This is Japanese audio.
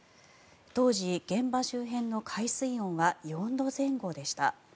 当時、現場周辺の海水温は４度前後でした。